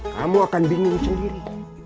kamu akan bingung sendiri